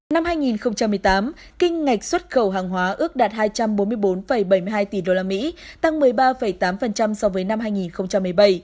năm hai nghìn một mươi tám kinh ngạch xuất khẩu hàng hóa ước đạt hai trăm bốn mươi bốn bảy mươi hai tỷ usd tăng một mươi ba tám so với năm hai nghìn một mươi bảy